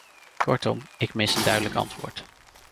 Kortom, ik mis een duidelijk antwoord.